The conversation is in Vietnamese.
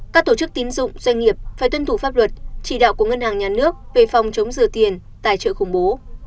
các tổ chức tín dụng doanh nghiệp phải tuân thủ pháp luật chỉ đạo của ngân hàng nhà nước về phòng chống rửa tiền tài trợ khủng bố